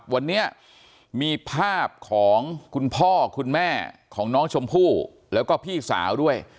วันนี้มีภาพของคุณพ่อคุณแม่ของน้องชมพู่แล้วก็พี่สาวด้วย